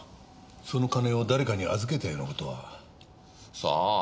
その金を誰かに預けたようなことは。さあ？